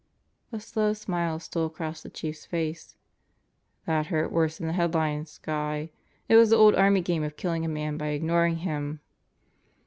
A slow smile stole across the Chief's face. "That hurt worse than the headlines, Guy. It was the old army game of killing a man by ignoring him.